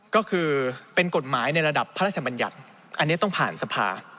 ก็คือเป็นกฎหมายในระดับพระราชบัญญัติอันนี้ต้องผ่านสภา